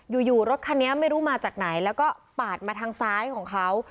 อยู่รถคันนี้ไม่รู้มาจากไหนแล้วก็ปาดมาทางซ้ายของเขา